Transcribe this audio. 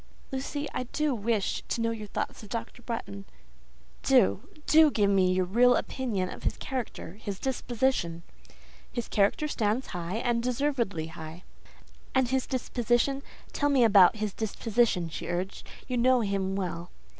"Lucy, I do wish to know your thoughts of Dr. Bretton. Do, do give me your real opinion of his character, his disposition." "His character stands high, and deservedly high." "And his disposition? Tell me about his disposition," she urged; "you know him well."